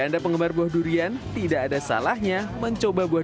nah bagi anda penggemar buah durian tidak ada salahnya mencoba buah durian